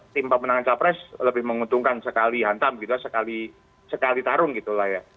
timpah menang capres lebih menguntungkan sekali hantam gitu sekali sekali tarung gitu lah ya